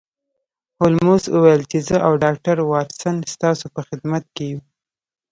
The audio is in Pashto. هولمز وویل چې زه او ډاکټر واټسن ستاسو په خدمت کې یو